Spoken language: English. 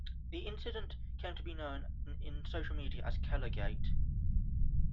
The incident came to be known in social media as KellerGate.